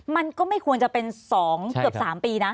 มันก็ไม่ควรจะเป็น๒เกือบ๓ปีนะ